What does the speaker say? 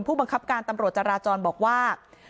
ผู้บังคับการตำรวจจราจรบอกว่า